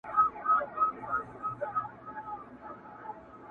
o مګر اوس نوی دور نوی فکر نوی افغان,